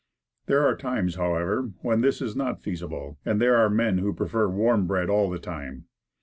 There are times, however when this is not feasible, and there are men who prefer warm bread all the time.